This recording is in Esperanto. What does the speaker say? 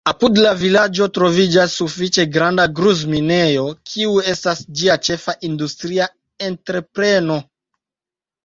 Apud la vilaĝo troviĝas sufiĉe granda gruz-minejo, kiu estas ĝia ĉefa industria entrepreno.